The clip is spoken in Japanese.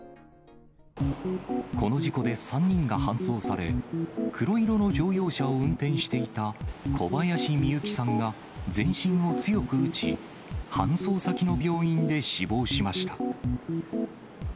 この事故で３人が搬送され、黒色の乗用車を運転していた小林美幸さんが、全身を強く打ち、搬送先の病院で死亡しました。